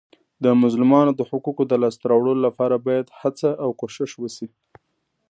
د مظلومانو د حقوقو د لاسته راوړلو لپاره باید هڅه او کوښښ وسي.